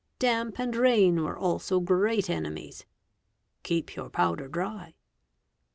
Damp and rain were also great enemies, ('' keep | your powder dry "').